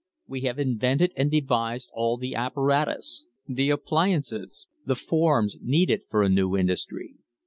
We have invented and devised all the apparatus, the appli ances, the forms needed for a new industry.